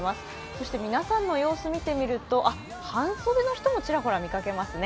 そして皆さんの様子を見てみると半袖の人もちらほら見かけますね。